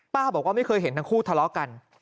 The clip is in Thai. บอกว่าไม่เคยเห็นทั้งคู่ทะเลาะกัน